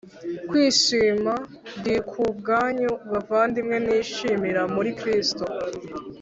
kwishima d ku bwanyu bavandimwe nishimira muri Kristo